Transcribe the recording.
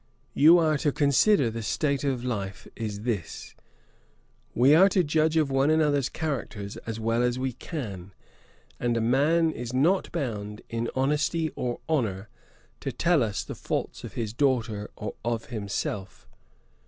You are to consider the state of life is this; we are to judge of one another's characters as well as we can; and a man is not bound, in honesty or honour, to tell us the faults of his daughter or of himself.